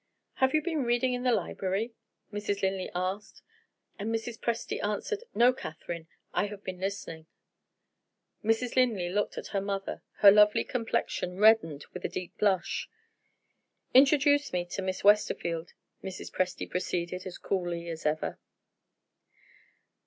"Have you been reading in the library?" Mrs. Linley asked. And Mrs. Presty answered: "No, Catherine; I have been listening." Mrs. Linley looked at her mother; her lovely complexion reddened with a deep blush. "Introduce me to Miss Westerfield," Mrs. Presty proceeded, as coolly as ever.